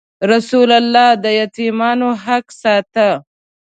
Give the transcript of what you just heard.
رسول الله د یتیمانو حق ساته.